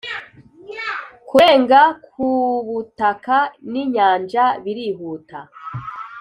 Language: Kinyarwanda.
kurenga kubutaka ninyanja birihuta